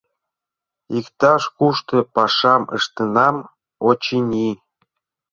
Иктаж-кушто пашам ыштенам, очыни.